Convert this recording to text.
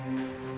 aku mau bu